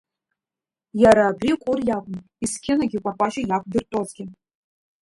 Иара абри Кәыр иакәын есқьынагьы Кәаркәашьа иақәдыртәозгьы.